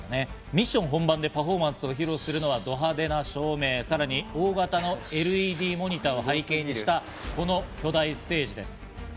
ミッション本番でパフォーマンスを披露するのは、ど派手な照明、そして大型のＬＥＤモニターを背景にしたこの巨大ステージです。